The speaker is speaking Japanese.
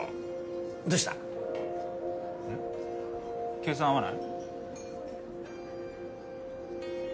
計算合わない？